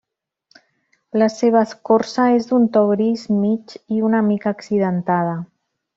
La seva escorça és d'un to gris mig i una mica accidentada.